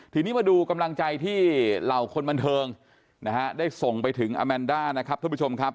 ทีนี้มาดูกำลังใจที่เหล่าคนบันเทิงนะฮะได้ส่งไปถึงอาแมนด้านะครับทุกผู้ชมครับ